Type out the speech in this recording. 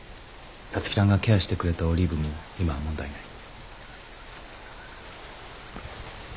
皐月ちゃんがケアしてくれたオリーブも今は問題ない。